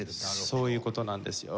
そういう事なんですよ。